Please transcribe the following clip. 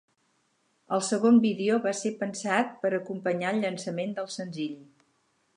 El segon vídeo va ser pensat per acompanyar el llançament del senzill.